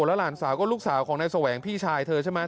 แล้วหลานสาวก็ลูกสาวของนายแสวงพี่ชายเธอใช่ไหม